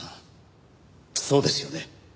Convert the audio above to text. そうですよね？